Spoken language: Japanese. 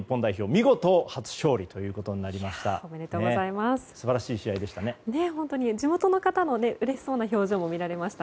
見事、初勝利ということになりました。